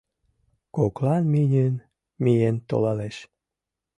— Коклан миньын миен толалеш.